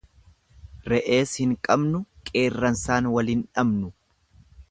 Re'ees hin qabnu qeerrensaan wal hin dhabnu.